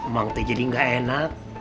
bang teh jadi gak enak